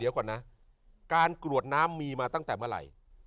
เดี๋ยวก่อนนะการกรวดน้ำมีมาตั้งแต่เมื่อไหร่